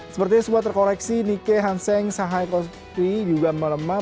sepertinya semua terkoreksi nike hanseng shanghai kopi juga melemah